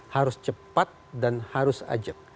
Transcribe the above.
harus cepat dan harus ajak